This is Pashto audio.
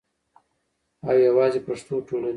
او یواځی پښتو ټولنې